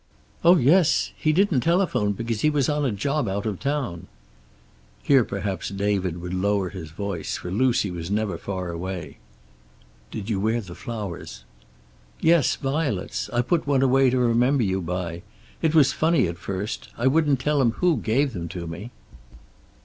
"Oh, yes. He didn't telephone because he was on a job out of town." Here perhaps David would lower his voice, for Lucy was never far away. "Did you wear the flowers?" "Yes, violets. I put one away to remember you by. It was funny at first. I wouldn't tell him who gave them to me."